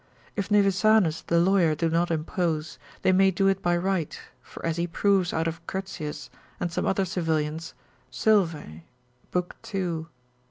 If Nevisanus the lawyer do not impose, they may do it by right: for as he proves out of Curtius, and some other civilians, Sylvae, nup. lib.